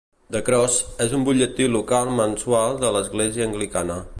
"The Cross" és un butlletí local mensual de l"església anglicana.